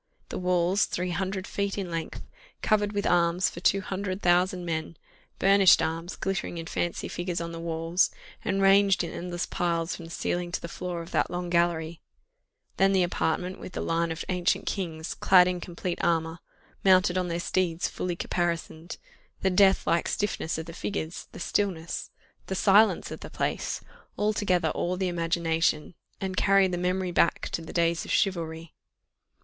The walls, three hundred feet in length, covered with arms for two hundred thousand men, burnished arms, glittering in fancy figures on the walls, and ranged in endless piles from the ceiling to the floor of that long gallery; then the apartment with the line of ancient kings, clad in complete armour, mounted on their steeds fully caparisoned the death like stiffness of the figures the stillness the silence of the place altogether awe the imagination, and carry the memory back to the days of chivalry.